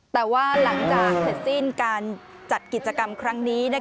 แต่ว่าหลังจากทัศนการจัดกิจกรรมครั้งนี้นะคะ